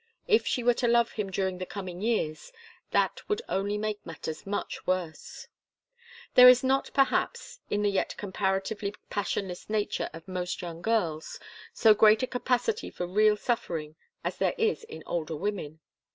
If she were to love him during the coming years, that would only make matters much worse. There is not, perhaps, in the yet comparatively passionless nature of most young girls so great a capacity for real suffering as there is in older women.